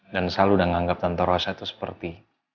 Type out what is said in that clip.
dan sal udah nganggap tante rosa itu seperti